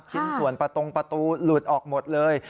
ชิ้นส่วนประตงประตูหลุดออกหมดเลย